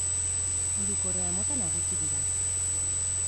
Hiru korea mota nagusi dira.